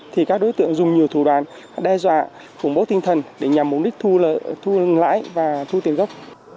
thì các đối tượng dùng nhiều thủ đoàn đe dọa khủng bố tinh thần để nhằm mục đích thu lợi thu lãi và thu tiền gốc